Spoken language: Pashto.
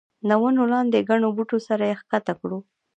د ونو لاندې ګڼو بوټو سره یې ښکته کړو.